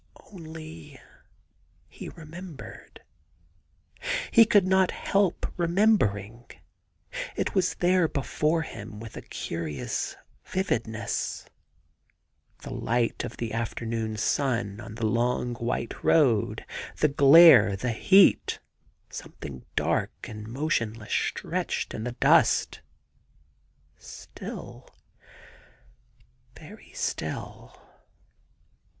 Only he remembered — he could not help remembering: it was there before him with a curious vividness — the light of the afternoon sun on the long white road ; the glare, the heat, something dark and motionless stretched in the dust — still, very still.